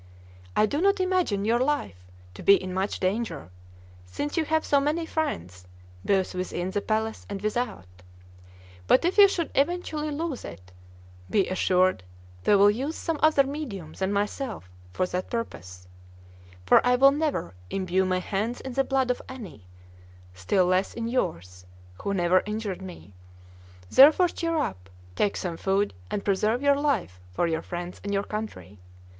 I do not imagine your life to be in much danger, since you have so many friends both within the palace and without; but if you should eventually lose it, be assured they will use some other medium than myself for that purpose, for I will never imbue my hands in the blood of any, still less in yours, who never injured me; therefore cheer up, take some food, and preserve your life for your friends and your country.